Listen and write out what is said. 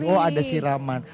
oh ada siraman